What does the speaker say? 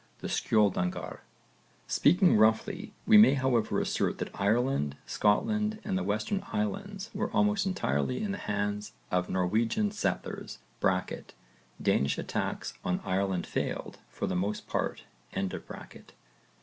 the Skjöldungar. Speaking roughly we may however assert that Ireland, Scotland and the Western Islands were almost entirely in the hands of Norwegian settlers (Danish attacks on Ireland failed for the most part).